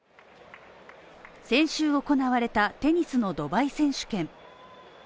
先週行われた、テニスのドバイ選手権。